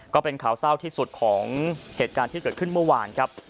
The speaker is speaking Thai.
ก็เป็นข่าวเศร้าที่สุดของเหตุการณ์ที่เกิดขึ้นเมื่อวานครับ